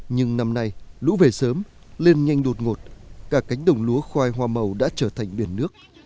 nhưng năm nay lũ về sớm lên nhanh đột ngột cả cánh đồng lúa khoai hoa màu đã trở thành biển nước